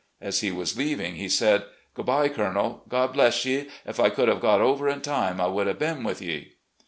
As he was leaving, he said; " Good bye, Colonel ! God bless ye ! If I could have got over in time I would have been with ye!"